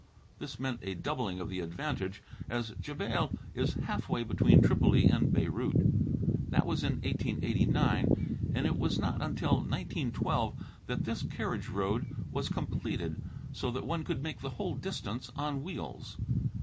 This meant a doubling of the advantage, as Jebail is halfway between Tripoli and Beirut. That was in 1889 and it was not until 1912 that this carriage road was completed, so that one could make the whole distance on wheels.